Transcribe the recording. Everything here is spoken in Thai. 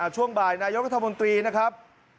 ช่วงบ่ายนายกรัฐมนตรีนะครับ